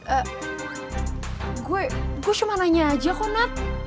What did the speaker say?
eh gue cuma nanya aja kok nat